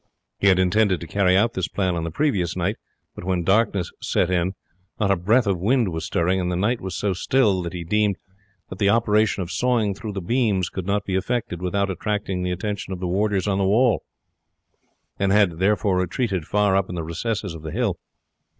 He had intended to carry out this plan on the previous night, but when darkness set in not a breath of wind was stirring, and the night was so still that he deemed that the operation of sawing through the beams could not be effected without attracting the attention of the warders on the wall, and had therefore retreated far up in the recesses of the hills.